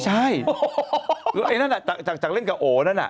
จากเล่นกับโอนั้นน่ะ